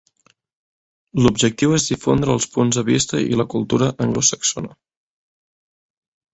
L'objectiu és difondre els punts de vista i la cultura anglosaxona.